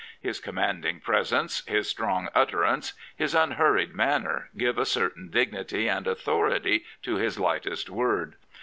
His commanding presence, his strong utterance, his unhurried manner give a certain dignity and authority to his lightest word.